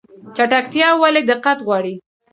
چټکتیا ولې دقت غواړي؟